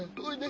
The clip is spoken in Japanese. はい！